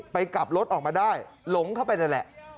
กลับรถออกมาได้หลงเข้าไปนั่นแหละ